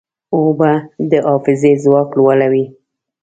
اوبه د حافظې ځواک لوړوي.